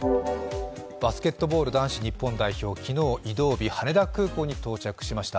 バスケットボール男子日本代表、昨日、移動日、羽田空港に到着しました。